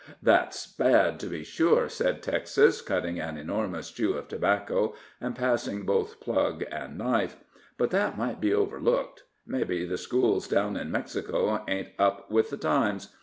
"That's bad, to be sure," said Texas, cutting an enormous chew of tobacco, and passing both plug and knife; "but that might be overlooked; mebbe the schools down in Mexico ain't up with the times.